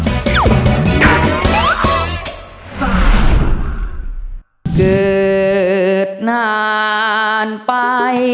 เธอไม่เคยโรศึกอะไร